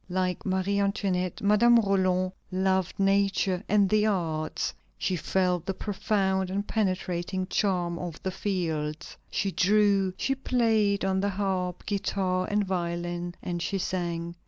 Like Marie Antoinette, Madame Roland loved nature and the arts. She felt the profound and penetrating charm of the fields. She drew, she played on the harp, guitar, and violin, and she sang.